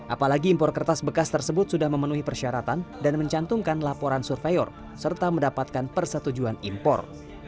apalagi impor kertas bekas tersebut sudah memenuhi persyaratan dan mencantumkan laporan surveyor serta mendapatkan persetujuan impor